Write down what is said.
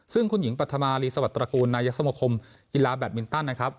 ซึ่งคุณหญิงปัธมารีสวัสดิตระกูลนายกสมคมกีฬาแบตมินตันนะครับ